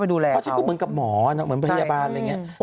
เพราะฉันก็เหมือนกับหมอนะเหมือนพยาบาลอะไรอย่างนี้